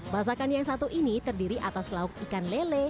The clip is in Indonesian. masakan yang satu ini terdiri atas lauk ikan lele